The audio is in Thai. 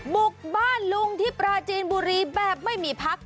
บุกบ้านลุงที่ปราจีนบุรีแบบไม่มีพัก